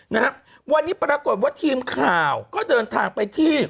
นะฮะวันนี้ปรากฏว่าทีมข่าวก็เดินทางไปที่